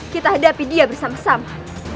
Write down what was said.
kita hadapi dia bersama sama